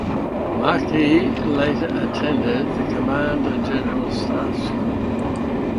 Marquis later attended the Command and General Staff School.